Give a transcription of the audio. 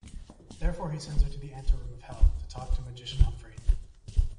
Therefore, he sends her to the anteroom of hell to talk to Magician Humfrey.